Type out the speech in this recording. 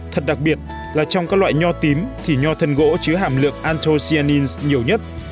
thật đặc biệt là trong các loại nhò tím thì nhò thần gỗ chứa hàm lượng anthocyanins nhiều nhất